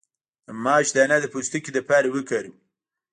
د ماش دانه د پوستکي لپاره وکاروئ